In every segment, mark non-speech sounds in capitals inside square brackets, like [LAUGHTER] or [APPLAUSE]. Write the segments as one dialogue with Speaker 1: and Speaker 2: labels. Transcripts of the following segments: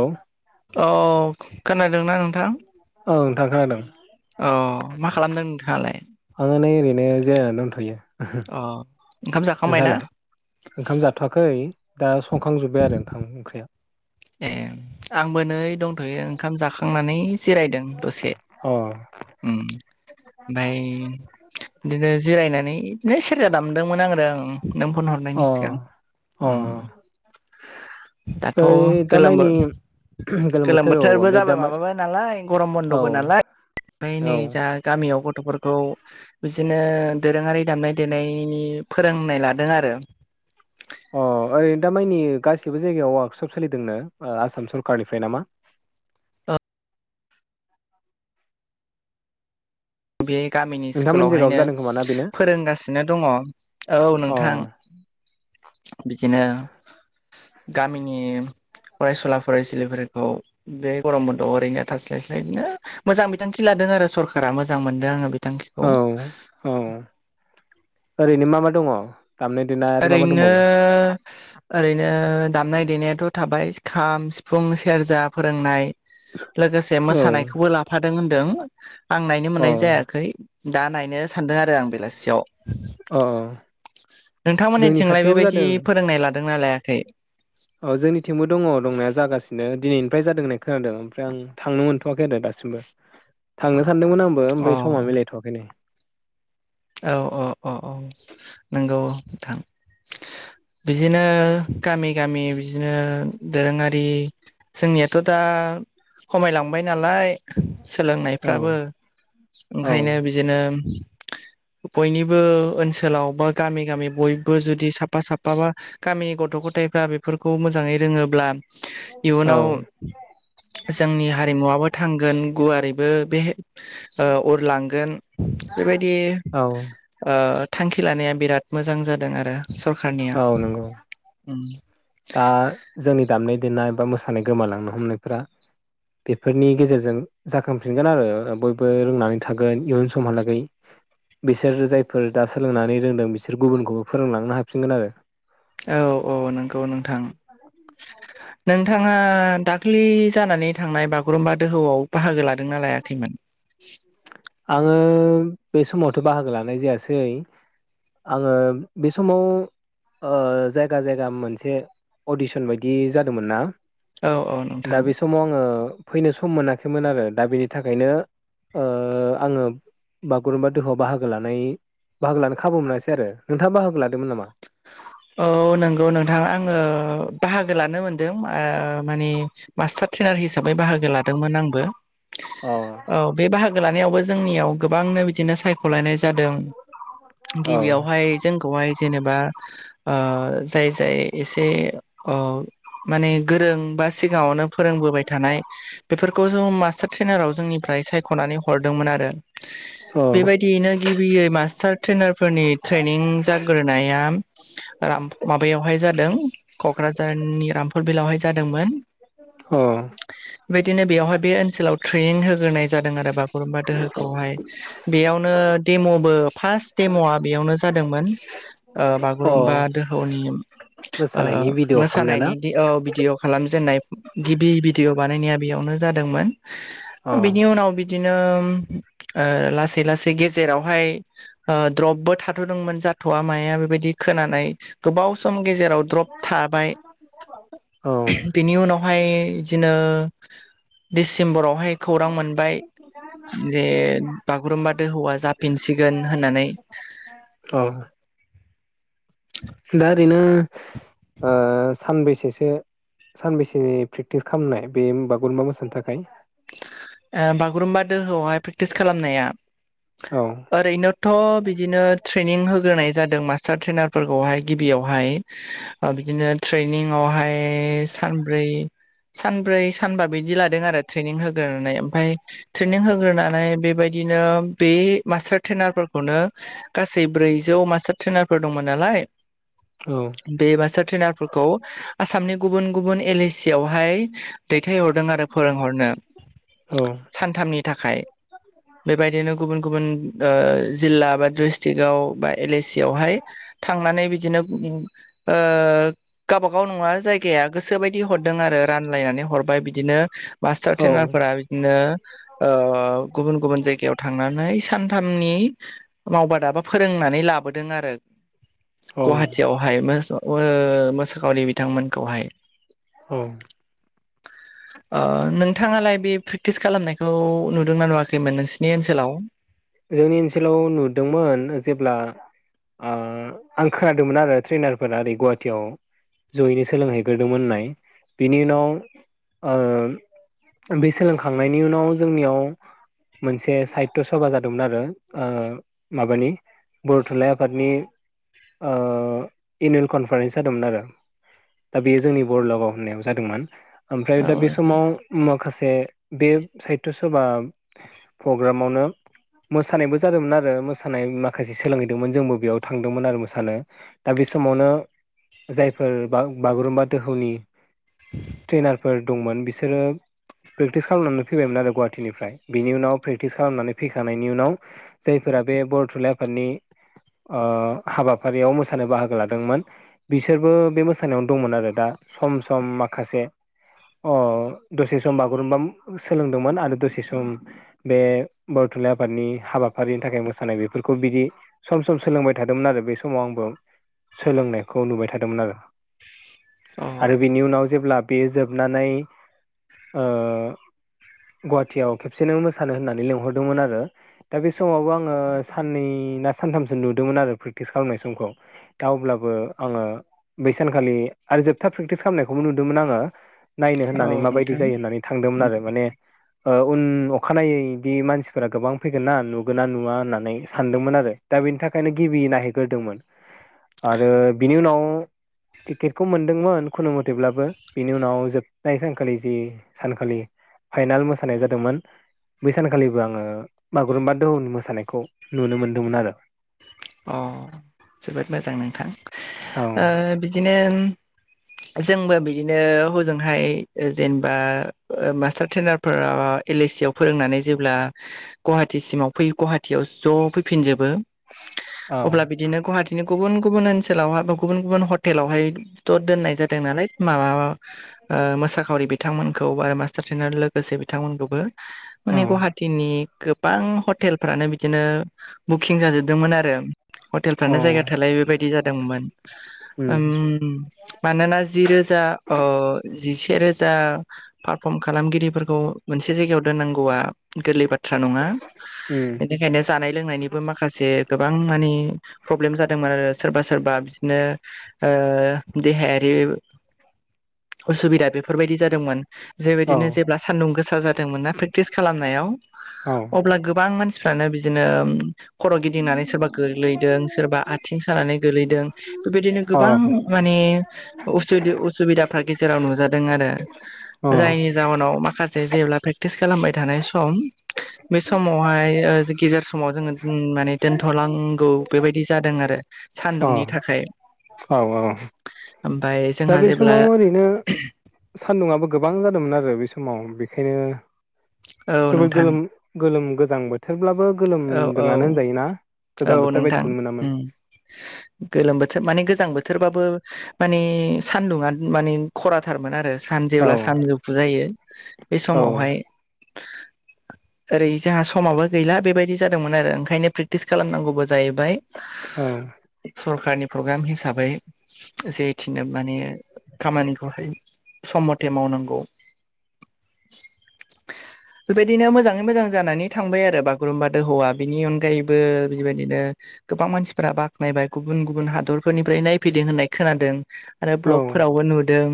Speaker 1: औ
Speaker 2: औ खोनादोंना नोंथां
Speaker 1: औ नोंथां खोनादों
Speaker 2: अ मा खालामदों नोंथाङालाय
Speaker 1: आङो नै ओरैनो जिरायनानै दंथ'यो
Speaker 2: अ ओंखाम जाखांबाय ना
Speaker 1: नोंथाङालाय ओंखाम जाथ'वाखै दा संखांजोब्बाय आरो ओंखाम ओंख्रिया
Speaker 2: ए आंबो नै दंथ'यो ओंखाम जाखांनानै जिरायदों दसे
Speaker 1: अ [INAUDIBLE]
Speaker 2: ओमफफाय बिदिनो जिरायनानै बिदिनो सेरजा दामदोंमोन आरो आं नों फन हरनायनि
Speaker 1: अ
Speaker 2: सिगां
Speaker 1: अ
Speaker 2: दाथ'
Speaker 1: ओइ
Speaker 2: गोलोम
Speaker 1: दामानि
Speaker 2: गोलोम
Speaker 1: बोथोर औ
Speaker 2: बोथोरबो
Speaker 1: ओमफ्राय दा
Speaker 2: जाबाय माबाबाय नालाय गरम
Speaker 1: औ
Speaker 2: बन्द'बो नालाय ओमफ्राय नै
Speaker 1: औ
Speaker 2: जा गामियाव गथ'फोरखौ बिदिनो दोरोङारि दामनाय देनायनि फोरोंनाय लादों आरो
Speaker 1: अ ओरैनो दा मानिानि गासिबो जायगायाव वार्कशप सोलिदोंनो आसाम सरखारनिफ्राय नामा
Speaker 2: बे गामिनि
Speaker 1: नोंथांमोननि जायगायावबो
Speaker 2: स्कुलावहायनो
Speaker 1: जादों खोमा ना बेनो
Speaker 2: फोरोंगासिनो दङ औ
Speaker 1: अ
Speaker 2: नोंथां बिदिनो गामिनि फरायसुला फरायसुलिफोरखौ बे गरम बनद'आव ओरैनो थास्लाय स्लाय बिदिनो मोजां बिथांखि लादों आरो सरकारा मोजां मोनदों आङो
Speaker 1: औ
Speaker 2: बिथांखिखौ
Speaker 1: औ ओरैनो मा मा दङ दामनाय देनाय आरो मा मा
Speaker 2: ओरैनो
Speaker 1: दंबावो
Speaker 2: ओरैनो दामनाय देनायाथ' थाबाय खाम सिफुं सेरजा फोरोंनाय लोगोसे
Speaker 1: औ
Speaker 2: मोसानायखौबो लाफादों होनदों आं नायनो
Speaker 1: अ
Speaker 2: मोननाय जायाखै दा नायनो सानदों आरो आं बेलासियाव
Speaker 1: अ जोंनि
Speaker 2: नोंथांमोननिथिंलाय
Speaker 1: खाथियावबो
Speaker 2: बेबायदि
Speaker 1: जादों
Speaker 2: फोरोंनाय लादोंना लायाखै
Speaker 1: औ जोंनिथिंबो दङ' दंनाया जागासिनो दिनैनिफ्राय जादों होननाय खोनादों ओमफ्राय आं थांनो मोनथ'वाखै आरो दासिमबो। थांनो सानदोंमोन आंबो
Speaker 2: अ
Speaker 1: ओमफाय समा मिलायथ'वाखै नै।
Speaker 2: औ औ औ औ नंगौ नोंथां। बिदिनो गामि-गामि बिदिनो दोरोङारि जोंनियाथ' दा खमायलांबाय नालाय
Speaker 1: औ
Speaker 2: सोलोंनायफ्राबो
Speaker 1: औ
Speaker 2: ओंखायनो बिदिनो बयनिबो ओनसोलाव बा गामि- गामि बयबो जुदि साफा साफा बा गामिनि गथ'-गथायफ्रा बेफोरखौ मोजाङै रोङोब्ला
Speaker 1: औ
Speaker 2: इयुनाव जोंनि हारिमुवाबो थांगोन गुवारैबो बे ओ अरलांगोन बेबायदि
Speaker 1: औ
Speaker 2: ओ थांखि लानाया बिराद मोजां जादों आरो सरखारनिया
Speaker 1: औ नंगौ
Speaker 2: ओम।
Speaker 1: दा जोंनि दामनाय देनाय बा मोसानाय गोमालांनो हमनायफ्रा बेफोरनि गेजेरजों जाखांफिनगोन आरो ओ बयबो रोंनानै थागोन इयुन समहालागै बिसोर जायफोर दा सोलोंनानै रोंदों बिसोर गुबुनखौबो फोरोंलांनो हाफिनगोन आरो
Speaker 2: औ औ नोंगौ नोंथां। नोंथाङा दाखालि जानानै थांनाय बागुरुम्बा दोहौआव बाहागो लादोंना लायाखैमोन?
Speaker 1: आङो बे समावथ' बाहागो लानाय जायासै। आङो बे समाव ओ जायगा जायगा मोनसे अडिसन बायदि जादोंमोन ना
Speaker 2: औ औ
Speaker 1: दा
Speaker 2: नोंथां।
Speaker 1: बे समाव आङो फैनो सम मोनाखैमोन आरो दा बेनि थाखायनो ओ आङो बागुरुम्बा दोहौआव बाहागो लानाय बाहागो लानो खाबु मोनासै आरो नोंथाङा बाहागो लादोंमोन नामा?
Speaker 2: औ नंगौ नोंथां आङो बाहागो लानो मोनदों ओ मानि मास्टार ट्रेनार हिसाबै बाहागो लादोंमोन आंबो। औ
Speaker 1: अ
Speaker 2: बे बाहागो लानायावबो जोंनियाव गोबांनो बिदिनो सायख'लायनाय जादों गिबियावहाय जोंखौहाय जेनेबा ओ जाय जाय एसे ओ माने गोरों बा सिगाङावनो फोरोंबोबाय थानाय बेफोरखौ जों मा मास्टार ट्रेनाराव जोंनिफ्राय सायख'नानै हरदोंमोन आरो
Speaker 1: औ
Speaker 2: बे बिदिनो गिबियै मास्टार ट्रेनारफोरनि ट्रेनिं जाग्रोनाया ओम माबायावहाय जादों क'क्राझारनि रामफुर बिलावहाय जादोंमोन।
Speaker 1: औ
Speaker 2: बेबायदिनो बेवहाय बे ओनसोलाव ट्रेनिं होग्रोनाय जादों आरो बागुरुमबा दोहोखौहाय बेयावनो डेम'बो फार्स्ट डेम'आ बेयावनो जादोंमोन। ओ बागुरुमबा
Speaker 1: औ
Speaker 2: दोहौनि ओ
Speaker 1: मोसानायनि भिडिअ' खालामनाय
Speaker 2: मोसानायनि
Speaker 1: ना
Speaker 2: दि औ भिदिअ खालामजेननाय गिबि भिडिअ' बानायनाया बेयावनो जादोंमोन
Speaker 1: अ
Speaker 2: बिनि उनाव बिदिनो ओ लासै लासै गेजेरावहाय ओ द्रपबो थाथ'दोंमोन जाथ'वा माया बेबायदि खोनानै गोबाव सम गेजेराव द्रप थाबाय
Speaker 1: [INAUDIBLE] औ
Speaker 2: बिनि उनावहाय बिदिनो दिडसेम्बरावहाय खौरां मोनबाय। जे बागुरुम्बा दोहौवा जाफिनसिगोन होननानै
Speaker 1: औ दा ओरैनो ओ सानबेसेसो सानबेसे प्रेकटिस खालामनाय बे बागुरुम्बा मोसानो थाखाय
Speaker 2: ओ बागुरुम्बा दोहौआवहाय प्रेक्टिस खालामनाया
Speaker 1: औ
Speaker 2: ओरैनो थ' बिदिनो ट्रेनिं होग्रोनाय जादों मास्टार ट्रेनार फोरफोरखौहाय गिबियावहाय ओ बिदिनो ट्रेनिंवहाय सानब्रै-सानब्रै सानबा बिदि लादों आरो ट्रेनिं हो होनानै ओमफाय ट्रेनिं होग्रोनानै बेबायदिनो बे मास्टार ट्रेनार फोरफोरखौनो गासै ब्रैजौ मास्टार ट्रेनार फोर दंमोन नालाय
Speaker 1: औ
Speaker 2: बे मास्टार ट्रेनार फोरफोरखौ आसामनि गुबुन गुबुन एल ए सि आवहाय दैथायहरदों आरो फोरोंहरनो
Speaker 1: औ
Speaker 2: सानथामनि थाखाय बेबायदिनो गुबुन गुबुन ओ जिल्ला बा डिस्ट्रिकटव बा एल ए सि आवहाय थांनानै बिदिनो गावबा गाव नङा जाय गाया गोसोबायदि हरदों आरो रानलायनानै हरबाय बिदिनो मास्टार ट्रेनार दा बिदिनो गुबुन गुबुन जायगायाव थांनानै सानथामनि माव बादा फोरोंनानै लाबोदों आरो
Speaker 1: औ
Speaker 2: गुवाहाटियावहाय ओ मोसाखावरि बिथांमोनखौहाय
Speaker 1: औ
Speaker 2: नोंथाङालाय बे प्रेकटिस खालामनायखौ नुदोंना नुवाखैमोन नोंसिनि ओनसोलाव
Speaker 1: जोंनि ओनसोलाव नुदोंमोन जेब्ला ओ आं खोनादोंमोन आरो ट्रैनारफोरा ओरै गुवाहाटियाव जयैनो सोलोंहैग्रोदोंमोन होनाय बिनि उनाव बे सोलोंखांनायनि उनाव जोंनियाव मोनसे साहित्य सभा जादों मोन आरो माबानि बर' थुनलाइ आफादनि ओ एनुयेल कनफारेन्स जादोंमोन आरो दा बेयो जोंनि बरलागाव होननायाव जादोंमोन ओमफ्राय
Speaker 2: औ
Speaker 1: दा बे
Speaker 2: नोंथां
Speaker 1: समाव माखासे बे साहित्य सभा प्रग्रामावनो मोसानायबो जादोंमोन आरो मोसानाय माखासे सोलोंहैदोंमोन जोंबो बेयाव थांदोंमोन आरो मोसानो दा बे समावनो जायफोर बा बागुरुम्बा दोहौनि ट्रेनारफोर दंमोन बिसोरो प्रेक्टिस खालामनानै फैबायमोन आरो गुवाहाटिनिफ्राय बिनि उनाव प्रेक्टिस खालामनानै फैखा खांनायनि उनाव जायफोरा बे बर' थुनलाइ आफादनि ओ हाबाफारियाव मोसानो बाहागो लादोंमोन बिसोरबो बे मोसानायावनो दंमोन आरो दा सम सम माखासे अ ओ दसे सम बागुरुम्बा सोलोंदोंमोन आरो दसे सम बे थुनलाइ आफादनि हाबाफारिनि थाखाय मोसानाय बेफोरखौ बिदि सम सम सोलोंबाय थादोंमोन आरो बे समाव आंबो सोलोंनायखौ नुबाय थादोंमोन आरो
Speaker 2: औ
Speaker 1: आरो बिनि उनाव जेब्ला बेयो जोबनानै ओ गुवाहाटियाव खेबसेनो मोसानो होननानै लिंहरदोंमोन आरो दा बे समावबो आङो साननै ना सानथामसो नुदोंमोन आरो प्रेक्टिस खालामनाय समखौ दा अब्लाबो आङो बै सानखालि आरो जोबथा प्रेकटिस खालामनायखौबो नुदोंमोन आङो नायनो होननानै
Speaker 2: औ
Speaker 1: माबायदि
Speaker 2: नोंथां
Speaker 1: जायो होननानै थांदोंमोन आरो
Speaker 2: अ
Speaker 1: माने ओ उन अखानायै इदि मानसि फोरा गोबां फैगोन ना नुगोना नुवा होननानै सानदोंमोन आरो दा बेनि थाखायनो गिबि नायहैग्रोदोंमोन। आरो बिनि उनाव टिकेटखौ मोन्दोंमोन खुनु मथेब्लाबो बेनि उनाव जोबनाय सानखालि जि सानखालि फाइनाल मोसानाय जादोंमोन बै सानखालि बो आङो बागुरुम्बा दोहौनि मोसानायखौ नुनो मोन्दोंमोन आरो।
Speaker 2: अ जोबोद मोजां नोंथां
Speaker 1: औ
Speaker 2: ओ बिदिनो जोंबो बिदिनो हजोंहाय ओ जेनेबा ओ मास्टार ट्रेनार फोरा एल ए सि आव फोरोंनानै जेब्ला गुवाहाटिसिमाव फै गुवाहाटियाव ज' फैफिनजोबो
Speaker 1: औ
Speaker 2: अब्ला बिदि दिनो गुहाटिनि गुबुन गुबुन ओनसोलाव बा गुबुन गुबुन हटेलावहायथ' दोननाय जादों नालाय माबा ओमोसाखावरि बिथांमोनखौ मासतार लोगोसे बिथांमोनखौबो माने
Speaker 1: औ
Speaker 2: गुवाहा थिनि गोबां हटेलफ्रानो बिदिनो बुकिं जाजोबदोंमोन आरो हटेलफ्रानो
Speaker 1: औ
Speaker 2: जायगा थोलायै बेबायदि जादोंमोन
Speaker 1: उम
Speaker 2: ओम मानोना जि रोजा ओ जिसे रोजा पारफर्म खालामगिरिफोरखौ मोनसे जायगायाव दोननांगौआ गोरलै बाथ्रा नङा
Speaker 1: उम
Speaker 2: बेनिखायनो जानाय लोंनायनिबो माखासे गोबां मानि प्रब्लेम जादोंमोन आरो सोरबा सोरबा बिदिनो ओ देहायारि उसुबिदा बेफोरबायदि जादोंमोन
Speaker 1: औ
Speaker 2: जेबायदिनो जेब्ला सानदुं गोसा जादोंमोन ना प्रेक्टिस खालामनायाव
Speaker 1: औ अ
Speaker 2: अब्ला गोबां मानसि फ्रानो बिदिनो खर' गिदिंनानै सोरबा गोग्लैदों सोरबा आथिं सानानै गोलैदों बेबायदिनो गोबां माने उसुदि-उसुबिदाफ्रा गेजेराव नुजादों आरो।
Speaker 1: अ
Speaker 2: जायनि जाउनाव माखासे जेब्ला प्रेक्टिस खालामबाय थानाय सम बे समावहाय ओ गेजेर समाव जोङो माने दोनथ'लांगौ बेबायदि जादों आरो सानदुंनि थाखाय।
Speaker 1: औ औ
Speaker 2: ओमफाय
Speaker 1: दा बे समाव ओरैनो सान्दुंआबो गोबां जादोंमोन आरो बे समाव बेखायनो
Speaker 2: औ
Speaker 1: जोबोद
Speaker 2: नोंथां
Speaker 1: गोलोम गोलोम गोजां बोथोरब्लाबो
Speaker 2: औ औ
Speaker 1: गोलोमदोङानो होनजायोना
Speaker 2: औ
Speaker 1: गोजां बोथोर
Speaker 2: नोंथां
Speaker 1: बायदिखौनो मोनामोन।
Speaker 2: उम गोलोम बोथोर माने गोजां बोथोरबाबो मानि सानदुङानो मानि खराथारमोन आरो सान
Speaker 1: औ
Speaker 2: जेब्ला सानजौफु जायो बे
Speaker 1: औ
Speaker 2: समावहाय ओरै जोंहा समाबो गैला बेबायदि जादोंमोन आरो ओंखायनो प्रेकटिस खालामनांगौबो जाहैबाय।
Speaker 1: औ
Speaker 2: सरखारनि प्रग्राम हिसाबै जै थिनो माने खामानिखौहाय सम मथे मावनांगौ। बेबायदिनो मोजाङै मोजां जानानै थांबाय आरो बागुरुम्बा दोहौवा बेनि अनगायैबो बेबायदिनो गोबां मानसिफोरा बाख्नायबाय गुबुन गुबुन हादरफोरनिफ्राय नायफैदों होननाय खोनादों आरो
Speaker 1: औ
Speaker 2: ब्लक फोरावबो नुदों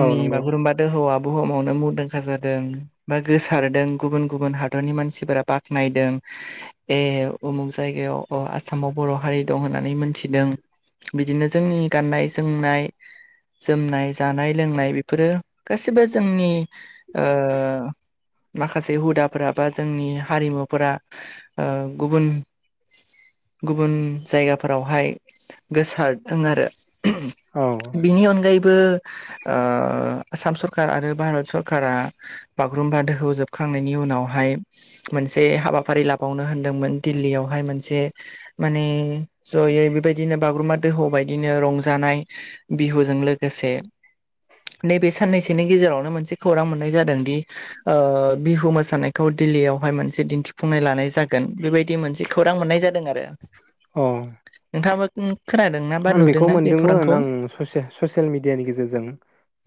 Speaker 1: औ नंगौ
Speaker 2: बागुरुम्बा दोहौवा बुहुमावनो मुंदांखा जादों बा गोसारदों गुबुन गुबुन हादरनि मानसिफोरा बाख नायदों ए उमुख जायगायाव अ आसामाव बर' हारि दं होननानै मोनथिदों। बिदिनो जोंनि गाननाय जोमनाय जोमनाय जानाय लोंनाय बेफोरो गासिबो जोंनि ओ माखासे हुदाफोरा बा जोंनि हारिमुफोरा ओ गुबुन गुबुन जायगाफोरावहाय गोसारदों आरो
Speaker 1: औ
Speaker 2: बिनि अनगायै बो ओ आसाम सरखार आरो भारत सरकारा बागुरुम्बा दोहौ जोबखांनायनि उनावहाय मोनसे हाबाफारि लाबावनो होनदोंमोन दिल्लीयावहाय मोनसे माने जयै बेबायदिनो बागुरुम्बा दोहौ बायदिनो रंजानाय बिहुजों लोगोसे नैबे साननैसोनि गेजेरावनो मोनसे खौरां मोननाय जादों दि ओ बिहु मोसानायखौ दिल्लीयाव हाय मोनसे दिन्थिफुंनाय लानाय जागोन बेबायदि मोनसे खौरां मोननाय जादों आरो
Speaker 1: अ
Speaker 2: नोंथाङाबो खोनादों ना बा नुदोंना बे
Speaker 1: मोनदोंमोन
Speaker 2: खौरांखौ
Speaker 1: आं ससे ससियेल मिडियानि गेजेरजों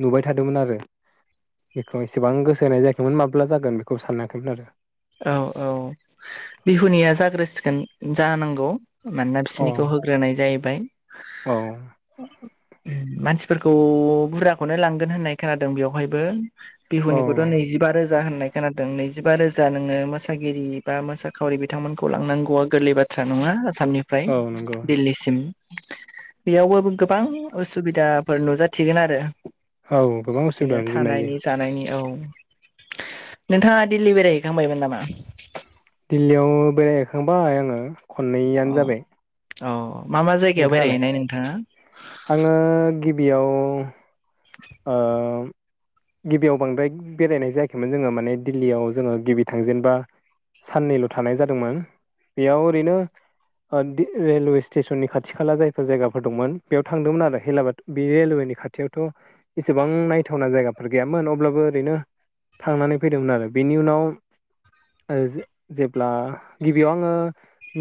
Speaker 1: नुबाय थादोंमोन आरो बिखौ एसेबां गोसो होनाय जायाखैमोन माब्ला जागोन बेखौबो सानाखैमोन आरो
Speaker 2: औ औ बिहुनिया जाग्रोसिगोन जानांगौ मानोना
Speaker 1: अ
Speaker 2: बिसोरनिखौ होग फोरानाय जाहैबाय
Speaker 1: औ
Speaker 2: मानसिफोरखौ बुरजाखौनो लांगोन होननाय खोनादों बेवहायबो
Speaker 1: औ
Speaker 2: बिहुनिखौथ' नैजिबा रोजा होननाय खोनादों नैजिबा रोजा जा नोङो मोसागिरि बा मोसाखावरि बिथांमोनखौ लांनांगौआ गोरलै बाथ थ्रा नङा आसामनिफ्राय
Speaker 1: औ नंगौ
Speaker 2: दिल्ली सिम बेयावबो गोबां उसुबिदाफोर नुजाथिगोन आरो
Speaker 1: औ गोबां उसुबिदा
Speaker 2: बिदिनो
Speaker 1: नुजोबनो हायो
Speaker 2: थानायनि जानायनि औ नोंथाङा दिल्ली बेराय थांबायमोन नामा
Speaker 1: दिल्लीयाव बेरायहैखांबाय आङो खननैयनो जाबाय
Speaker 2: औ मा मा जायगायाव
Speaker 1: नोंथाङालाय
Speaker 2: बेरायहैनाय नोंथाङा
Speaker 1: आङो गिबियाव ओ गिबियाव बांद्राय बेरायनाय जायाखैमोन जोङो माने दिल्लीयाव जोङो गिबि थांजेनबा साननैल' थानाय जादोंमोन बेयाव ओरैनो रेलवे स्टेसननि खाथि खाला जायफोर जायगाफोर दंमोन बेयाव थांदोंमोन आरो हेलाबाद बे रेलवेनि खाथियावथ' इसेबां नायथावना जायगाफोर गैयामोन अब्लाबो ओरैनो थांनानै फैदोंमोन आरो बेनि उनाव ओ जेब्ला गिबियाव आङो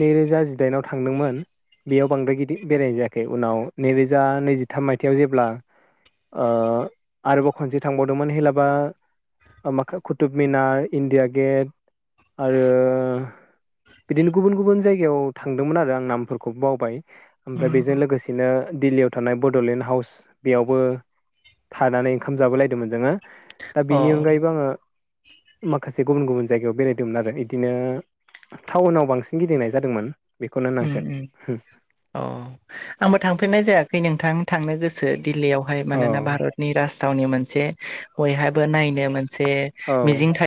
Speaker 1: नैरोजा जिदाइनाव थांदोंमोन बेयाव बांद्राय गिदिर बेराय जायाखै उनाव नैरोजा नैजिथाम मायथाइयाव जेब्ला ओ आरोबाव खनसे थांबावदोंमोन हेलाबा कुथुब मिनार इण्डिया गेट आरो बिदिनो गुबुन गुबुन जायगायाव थांदोंमोन आरो आं नामफोरखौ बावबाय ओमफ्राय बेजों लोगोसेनो दिल्लीयाव थानाय बड'लेण्ड हाउस बेयावबो थानानै ओंखाम जाबोलायदोंमोन जोङो दा
Speaker 2: अ
Speaker 1: बेनि अनगायैबो आङो माखासे गुबुन गुबुन जायगायाव बेरायदोंमोन आरो इदिनो टाउनाव बांसिन गिदिंनाय जादोंमोन बेखौनो
Speaker 2: उम
Speaker 1: होननांसिगोन
Speaker 2: उम अ आंबो थांफेरनाय जायाखै नोंथां थांनो गोसो दिल्लीयावहाय
Speaker 1: औ
Speaker 2: मानोना भारत नि राजथावनि मोनसे बयहाबो नायनो मोनसे मिजिं
Speaker 1: औ
Speaker 2: थायो